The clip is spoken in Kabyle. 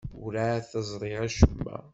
Werɛad teẓri acemma.